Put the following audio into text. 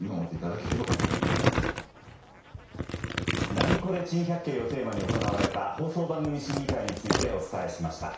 『ナニコレ珍百景』をテーマに行われた放送番組審議会についてお伝えしました。